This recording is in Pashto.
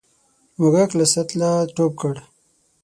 موږک له سطله ټوپ کړ.